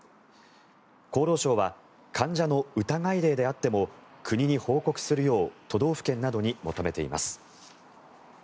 厚労省は患者の疑い例であっても国に報告するよう都道府県などに求めています。